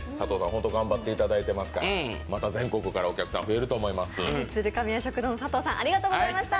本当に頑張ってもらっているからまた全国からお客さん増えると思います。